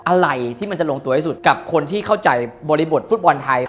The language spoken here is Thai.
อะไรที่มันจะลงตัวที่สุดกับคนที่เข้าใจบริบทฟุตบอลไทย